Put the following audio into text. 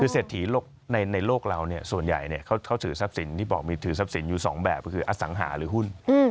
คือเศรษฐีในโลกเราส่วนใหญ่เขาถือทรัพย์สินที่บอกมีถือทรัพย์สินอยู่๒แบบก็คืออสังหาหรือหุ้น